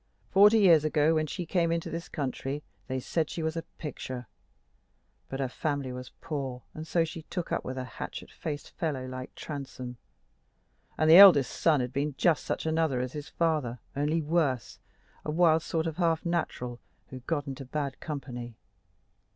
Forty years ago, when she came into this country, they said she was a pictur'; but her family was poor, and so she took up with a hatchet faced fellow like this Transome. And the eldest son had been just such another as his father, only worse a wild sort of half natural, who got into bad company.